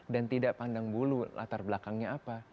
dan tidak pandang bulu latar belakangnya apa